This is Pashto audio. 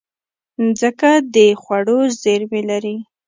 مځکه د خوړو زېرمې لري.